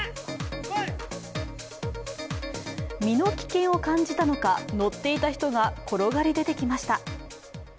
身の危険を感じたのか、乗っていた人が転がり出てきました。